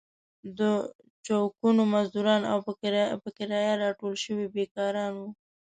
د چوکونو مزدوران او په کرايه راټول شوي بېکاران وو.